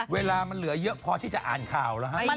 เวลามันเหลือเยอะพอที่จะอ่านข่าวแล้วฮะ